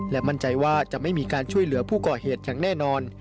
และมั่นใจว่าจะไม่มีการช่วยเหลือผู้ก่อเหตุอย่างแน่นอน